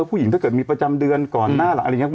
ผู้หญิงถ้าเกิดมีประจำเดือนก่อนหน้าหลัง